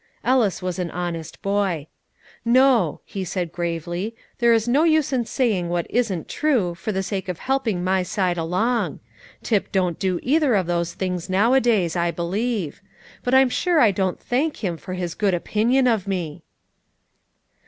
Ellis was an honest boy. "No," he said gravely, "there is no use in saying what isn't true, for the sake of helping my side along. Tip don't do either of those things now a days, I believe; but I'm sure I don't thank him for his good opinion of me."